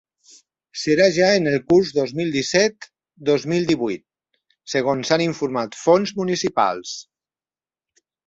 Serà ja en el curs dos mil disset-dos mil divuit, segons han informat fonts municipals.